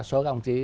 số các ông chí